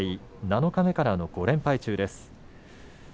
七日目から５連敗中です。